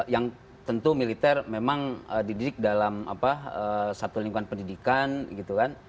yang tentu militer memang dididik dalam satu lingkungan pendidikan gitu kan